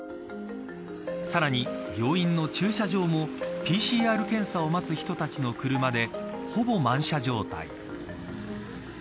さらに病院の駐車場もＰＣＲ検査を待つ人たちの車でほぼ満車状態。